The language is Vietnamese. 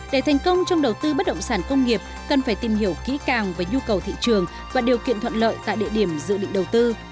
để thành công trong đầu tư bất động sản công nghiệp cần phải tìm hiểu kỹ càng về nhu cầu thị trường và điều kiện thuận lợi tại địa điểm dự định đầu tư